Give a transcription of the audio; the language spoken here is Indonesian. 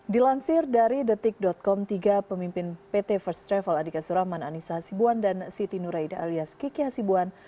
dilansir dari detik com tiga pemimpin pt first travel adika suraman anissa hasibuan dan siti nuraida alias kiki hasibuan